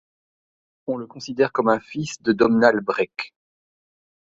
On le considère comme un fils de Domnall Brecc.